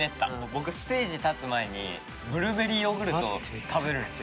僕ステージ立つ前にブルーベリーヨーグルトを食べるんですよ。